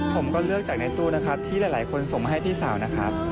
ผมก็เลือกจากในตู้นะครับที่หลายคนส่งมาให้พี่สาวนะครับ